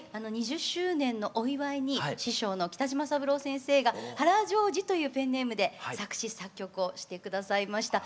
２０周年のお祝いに師匠の北島三郎先生が原譲二というペンネームで作詞作曲をして下さいました。